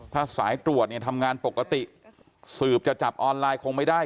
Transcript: ถ้าสายตรวจเนี่ยทำงานปกติสืบจะจับออนไลน์คงไม่ได้